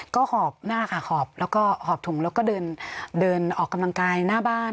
ก็หอบหน้าค่ะหอบแล้วก็หอบถุงแล้วก็เดินออกกำลังกายหน้าบ้าน